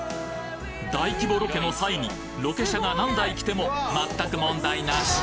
大規模ロケの際にロケ車が何台来てもまったく問題なし！